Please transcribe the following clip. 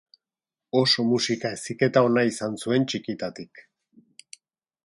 Oso musika-heziketa ona izan zuen txikitatik.